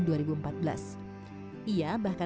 ia bahkan memiliki kegiatan untuk menjaga kegiatan hutan